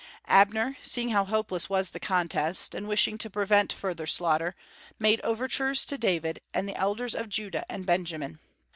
Abner, seeing how hopeless was the contest, and wishing to prevent further slaughter, made overtures to David and the elders of Judah and Benjamin.